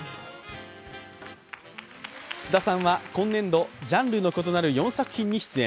菅田さんは今年度ジャンルの異なる４作品に出演。